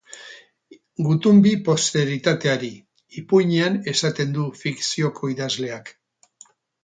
Gutun bi posteritateari, ipuinean esaten du fikzioko idazleak.